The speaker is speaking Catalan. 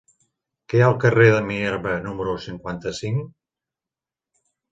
Què hi ha al carrer de Minerva número cinquanta-cinc?